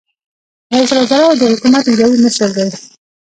رئیس الوزرا د حکومت اجرائیوي مشر دی